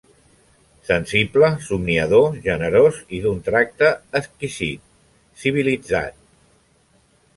Sensible, somniador, generós i d'un tracte exquisit, civilitzat.